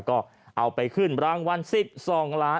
ก็เอาไปขึ้นรางวัล๑๒ล้าน